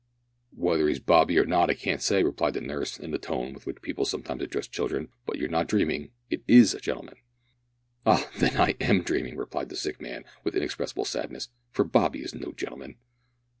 "Whether he's Bobby or not I can't say," replied the nurse, in the tone with which people sometimes address children, "but you're not dreaming it is a gentleman." "Ah! then I am dreaming," replied the sick man, with inexpressible sadness, "for Bobby is no gentleman."